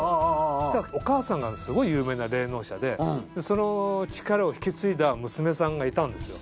そしたらお母さんがすごい有名な霊能者でその力を引き継いだ娘さんがいたんですよ。